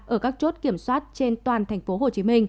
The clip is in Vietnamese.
ở các chốt kiểm soát trên toàn tp hcm